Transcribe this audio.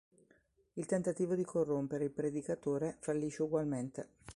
Il tentativo di corrompere il predicatore fallisce ugualmente.